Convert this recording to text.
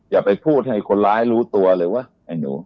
อย่าไปพูดให้คนร้ายรู้ตัวเลยวะไอ้หนู